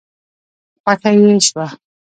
خوښه يې شوه.